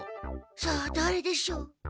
さあだれでしょう。